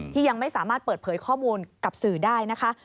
ยังไม่สามารถเปิดเผยข้อมูลกับสื่อได้นะคะ